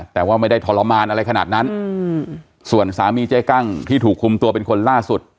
แต่ว่าไม่ได้ทรมานอะไรขนาดนั้นส่วนสามีเจ๊กั้งที่ถูกคุมตัวเป็นคนล่าสุด